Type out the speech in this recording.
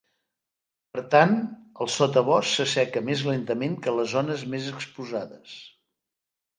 Per tant, el sotabosc s'asseca més lentament que les zones més exposades.